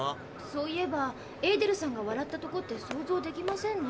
そういえばエーデルさんが笑ったとこって想像できませんね。